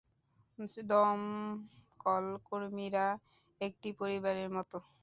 দমকল কর্মীরা একটা পরিবারের মত।